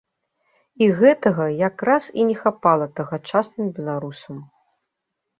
І гэтага, як раз і не хапала тагачасным беларусам.